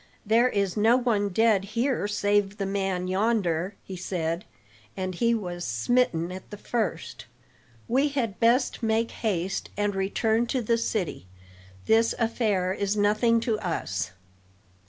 "There is no one dead here save the man yonder," he said, "and he was smitten at the first. We had best make haste and return to the city; this affair is nothing to us."